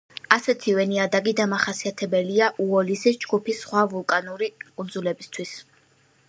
ასეთივე ნიადაგი დამახასიათებელია უოლისის ჯგუფის სხვა ვულკანური კუნძულებისთვის.